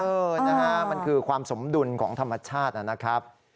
เออนะฮะมันคือความสมดุลของธรรมชาตินะครับ